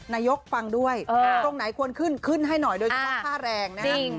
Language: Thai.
นายกฟังด้วยตรงไหนควรขึ้นขึ้นให้หน่อยโดยเฉพาะค่าแรงนะฮะ